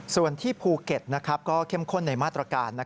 ส่วนที่ภูเก็ตก็เข้มข้นในมาตรการ